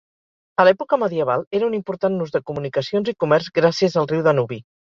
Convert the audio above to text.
A l'època medieval era un important nus de comunicacions i comerç gràcies al riu Danubi.